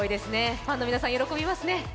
ファンの皆さん喜びますね。